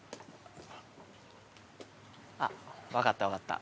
あっわかったわかった。